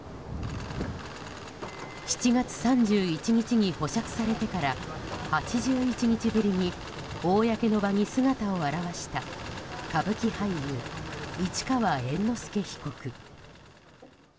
７月３１日に保釈されてから８１日ぶりに公の場に姿を現した歌舞伎俳優・市川猿之助被告。